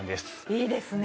いいですね。